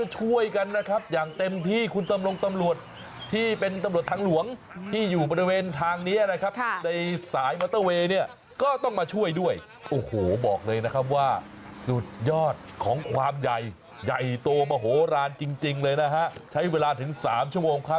ใหญ่ใหญ่ใหญ่ใหญ่ตัวไมโหลราญจริงจริงเลยนะคะ๑๒๑๔๔๑